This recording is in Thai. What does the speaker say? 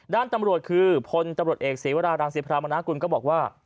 ด้านตำรวจคือพลตำรวจเอกศีวรารังศิพรามนากุลก็บอกว่า